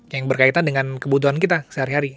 yang berkaitan dengan kebutuhan kita sehari hari